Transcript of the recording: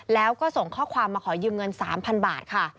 แล้วก็ส่งข้อความมาขอยืมเงิน๓๐๐๐บาทค่ะ